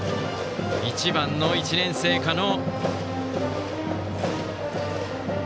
１番の１年生、加納。